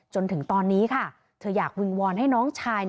จนถึงตอนนี้ค่ะเธออยากวิงวอนให้น้องชาย